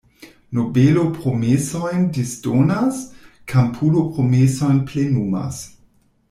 Nobelo promesojn disdonas, kampulo promesojn plenumas.